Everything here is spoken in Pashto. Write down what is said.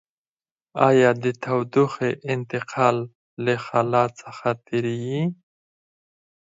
آیا د تودوخې انتقال له خلاء څخه تیریږي؟